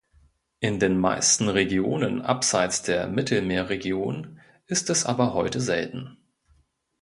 In den meisten Regionen abseits der Mittelmeerregion ist es aber heute selten.